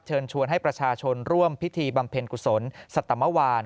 เชิญชวนให้ประชาชนร่วมพิธีบำเพ็ญกุศลสัตมวาน